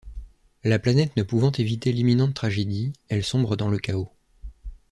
La planète ne pouvant éviter l'imminente tragédie, elle sombre dans le chaos.